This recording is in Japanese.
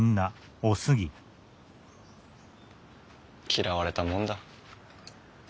嫌われたもんだ。